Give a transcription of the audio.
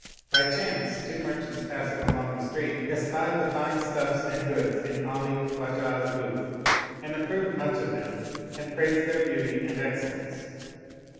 By chance two merchants passing along that street espied the fine stuffs and goods in Ali Khwajah's booth and approved much of them and praised their beauty and excellence.